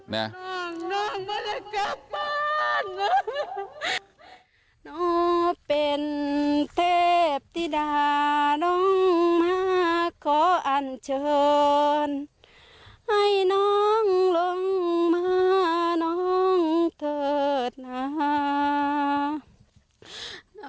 น้องเป็นเทพที่ด่าร้องมาขออันเชิญให้น้องลงมาน้องเถิดน้า